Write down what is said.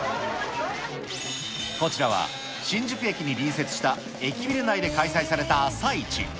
こちらは、新宿駅に隣接した駅ビル内で開催された朝市。